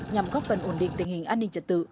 nhằm góp phần ổn định tình hình an ninh trật tự